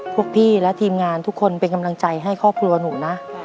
พวกพี่และทีมงานทุกคนเป็นกำลังใจให้ครอบครัวหนูนะ